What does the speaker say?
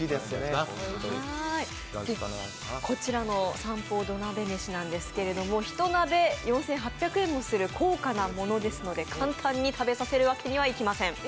こちらの三宝土鍋飯なんですけれども、１鍋４８００円もする、高価な物ですので簡単に食べさせるわけにはいきません。